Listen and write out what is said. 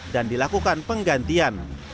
dan dilakukan penggantian